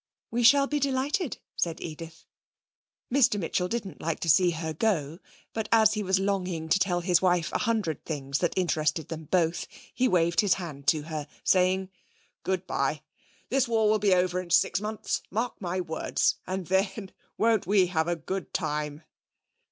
'We shall be delighted,' said Edith. Mr Mitchell didn't like to see her go, but as he was longing to tell his wife a hundred things that interested them both, he waved his hand to her, saying: 'Good bye. The war will be over in six months. Mark my words! And then won't we have a good time!'